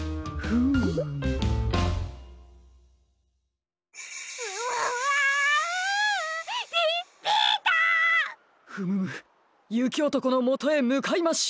フムムゆきおとこのもとへむかいましょう！